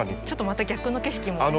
ちょっとまた逆の景色も。